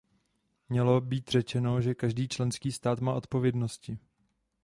Mělo být řečeno, že každý členský stát má odpovědnosti.